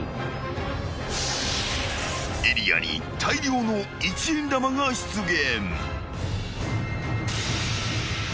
［エリアに大量の一円玉が出現］